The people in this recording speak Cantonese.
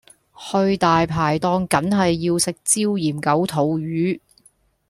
去大牌檔緊係要食椒鹽九肚魚